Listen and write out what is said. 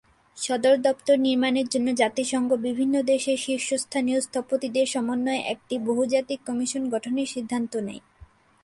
সদর দপ্তর নির্মাণের জন্য জাতিসংঘ বিভিন্ন দেশের শীর্ষস্থানীয় স্থপতিদের সমন্বয়ে একটি বহুজাতিক কমিশন গঠনের সিদ্ধান্ত নেয়।